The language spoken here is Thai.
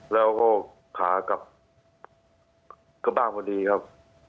แล้วก็ขากลับบ้านพอดีครับ